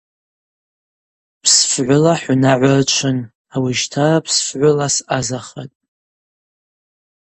Псфгӏвыла хӏунагӏва рчвын, ауищтара псфгӏвыла съазахатӏ.